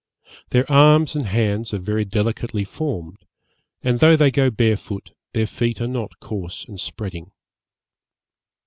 Their arms and hands are very delicately formed; and though they go barefoot, their feet are not coarse and spreading.